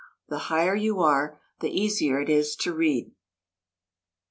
The higher you are the easier it is to read.